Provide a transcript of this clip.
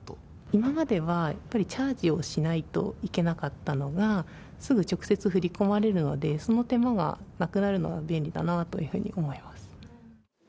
今まではやっぱり、チャージをしないといけなかったのが、すぐ直接振り込まれるので、その手間がなくなるのは便利だなというふうに思います。